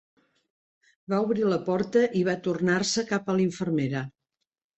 Va obrir la porta i va tornar-se cap a la infermera.